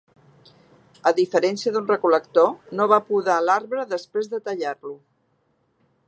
A diferència d'un recol·lector, no va podar l'arbre després de tallar-lo.